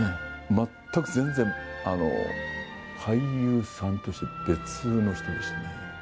全く、全然、俳優さんとして、別の人でしたね。